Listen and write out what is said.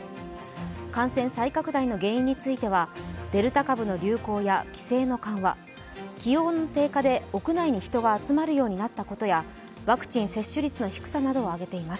感染再拡大の原因についてはデルタ株の流行や規制の緩和、気温低下で屋内に人が集まるようになったことやワクチン接種率の低さなどを挙げています。